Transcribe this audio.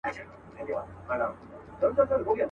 د کتلو د ستایلو نمونه وه.